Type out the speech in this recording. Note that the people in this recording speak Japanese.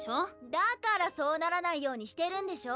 だからそうならないようにしてるんでしょ。